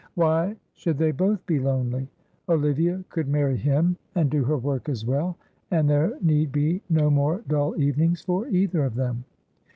Why should they both be lonely? Olivia could marry him and do her work as well, and there need be no more dull evenings for either of them.